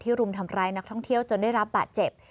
รุมทำร้ายนักท่องเที่ยวจนได้รับบาดเจ็บ